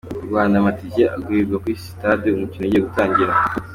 Mu Rwanda amatike agurirwa kuri sitade umukino ugiye gutangira.